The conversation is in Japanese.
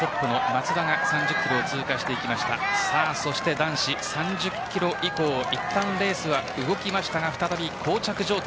男子３０キロ以降レースが動きましたが再びこう着状態。